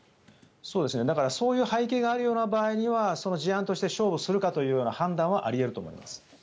そういう背景がある場合には、事案として勝負するかというような判断はあり得ると思います。